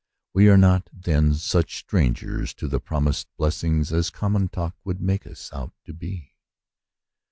We are not, then, such strangers to the promised blessing as common talk would make us out to be.